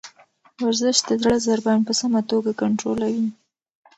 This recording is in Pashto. ورزش د زړه ضربان په سمه توګه کنټرولوي.